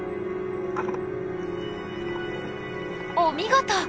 お見事！